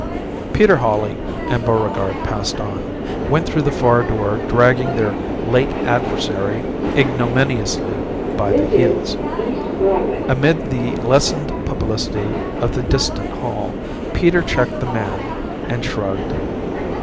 Peter Hawley and Buregarde passed on, went through the far door dragging their late adversary ignominiously by the heels. Amid the lessened publicity of the distant hall, Peter checked the man and shrugged.